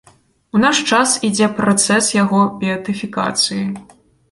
У наш час ідзе працэс яго беатыфікацыі.